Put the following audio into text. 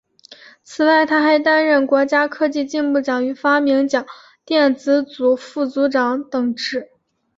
此外他还担任国家科技进步奖与发明奖电子组副组长等职。